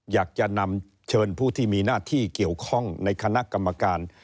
อยากจะนำเชิญผู้ที่มีหน้าที่เกี่ยวข้องในคณะกรรมการ